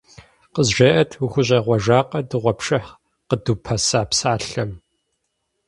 КъызжеӀэт, ухущӀегъуэжакъэ дыгъуэпшыхь къыдупэса псалъэм?